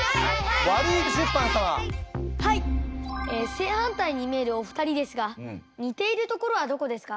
正反対に見えるお二人ですが似ているところはどこですか？